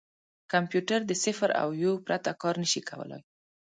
کمپیوټر د صفر او یو پرته کار نه شي کولای.